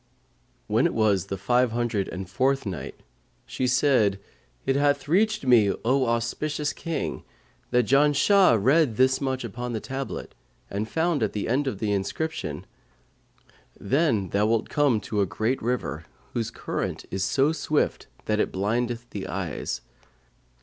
When it was the Five Hundred and Fourth Night, She said, It hath reached me, O auspicious King, that Janshah read this much upon the tablet and found, at the end of the inscription, "'Then thou wilt come to a great river, whose current is so swift that it blindeth the eyes.